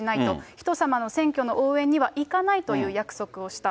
人様の選挙の応援には行かないという約束をした。